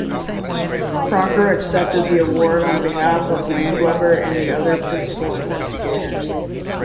Crocker accepted the award on behalf of Landweber and the other principal investigators.